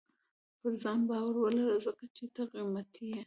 • پر ځان باور ولره، ځکه چې ته قیمتي یې.